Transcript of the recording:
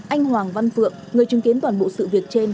anh hoàng văn phượng người chứng kiến toàn bộ sự việc trên